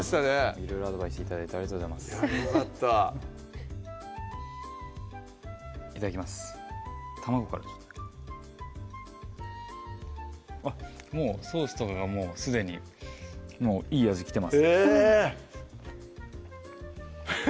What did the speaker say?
いろいろアドバイス頂いてありがとうございますよかったいただきます卵からちょっともうソースとかがもうすでにもういい味きてます